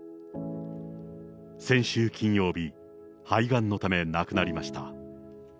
先週金曜日、肺がんのため亡くなりました。